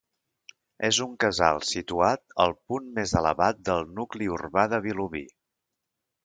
És un casal situat al punt més elevat del nucli urbà de Vilobí.